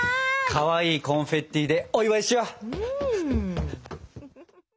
かわいいコンフェッティでお祝いしよう！